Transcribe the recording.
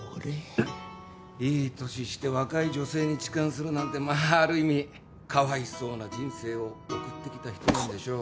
いい年して若い女性に痴漢するなんてまあある意味かわいそうな人生を送ってきた人なんでしょう。